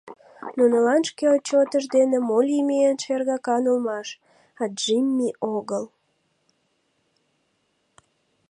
Нунылан шке отчётышт дене мо лийме эн шергакан улмаш, а Джимми огыл.